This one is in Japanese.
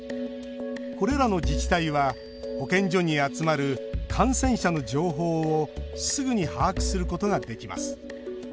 これらの自治体は保健所に集まる感染者の情報をすぐに把握することができます。